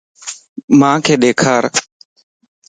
مانک ڏيکار